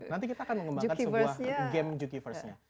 nanti kita akan mengembangkan sebuah game jukiverse nya